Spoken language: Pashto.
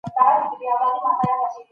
کلي او ښارونه یو بل بشپړوي.